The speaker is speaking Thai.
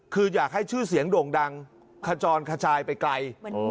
คืออยากให้ชื่อเสียงโด่งดังขจรขจายไปไกล